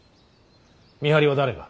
見張りは誰が。